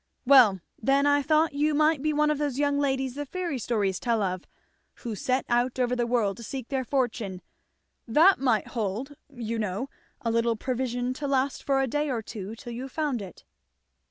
"Well, then I thought you might be one of those young ladies the fairy stories tell of, who set out over the world to seek their fortune. That might hold, you know, a little provision to last for a day or two till you found it."